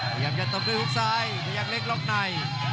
พยายามจะต้มมือฮุกซ้ายพยายามเล็กรอบใน